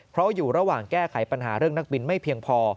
เพราะอยู่ระหว่างแก้ไขปัญหาเรื่องนักบินไม่เพียงพอ